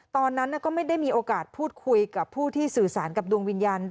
ตอนนั้นก็ไม่ได้มีโอกาสพูดคุยกับผู้ที่สื่อสารกับดวงวิญญาณ